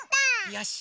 よし！